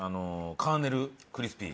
カーネルクリスピー。